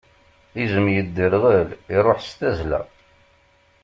Izem yedderɣel, iṛuḥ s tazla.